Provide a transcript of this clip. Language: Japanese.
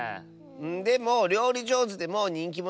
でもりょうりじょうずでもにんきものになれるよ。